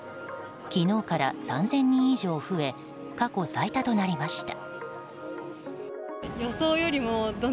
昨日から３０００人以上増え過去最多となりました。